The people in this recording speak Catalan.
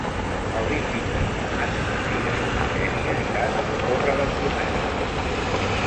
El vint-i-tres de maig na Cira i na Xènia iran a la Torre d'en Doménec.